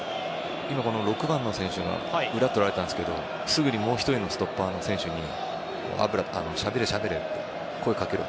６番の選手が裏とられたんですけどすぐにもう１人のストッパーの選手にしゃべれ、しゃべれ。